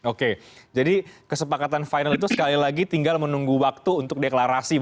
oke jadi kesepakatan final itu sekali lagi tinggal menunggu waktu untuk deklarasi